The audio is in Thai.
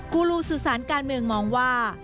กูรูสื่อสารการเมืองมองว่า